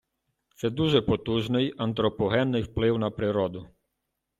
Це дуже потужний антропогенний вплив на природу.